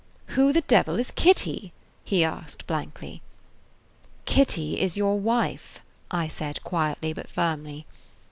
"Who the devil is Kitty?" he asked blankly. "Kitty is your wife," I said quietly, but firmly.